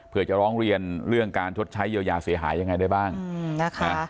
เพื่อจะร้องเรียนเรื่องการชดใช้เยียวยาเสียหายยังไงได้บ้างนะคะ